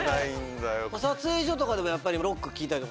撮影所とかでもやっぱりロック聴いたりとか。